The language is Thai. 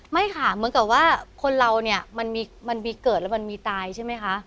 ไม่ค่ะเหมือนกับว่าคนเราเนี่ยมันมีเกิดแล้วมันมีตายใช่ไหมคะ